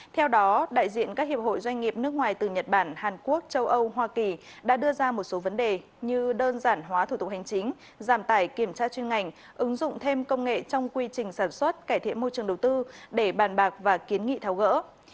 theo đó đại diện các hiệp hội doanh nghiệp nước ngoài từ nhật bản hàn quốc châu âu hoa kỳ đã đưa ra một số vấn đề như đơn giản hóa thủ tục hành chính giảm tải kiểm tra chuyên ngành ứng dụng thêm công nghệ trong quy trình sản xuất cải thiện môi trường đầu tư để bàn bạc và kiến nghị tháo gỡ